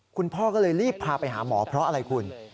คุณพ่อก็เลยรีบพาไปหาหมอเพราะอะไรคุณ